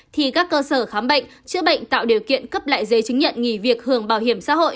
thì các cơ sở khám bệnh chữa bệnh tạo điều kiện cấp lại giấy chứng nhận nghỉ việc hưởng bảo hiểm xã hội